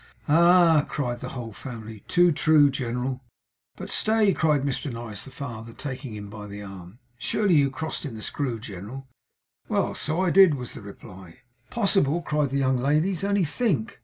'Ah!' cried the whole family. 'Too true, general!' 'But stay!' cried Mr Norris the father, taking him by the arm. 'Surely you crossed in the Screw, general?' 'Well! so I did,' was the reply. 'Possible!' cried the young ladies. 'Only think!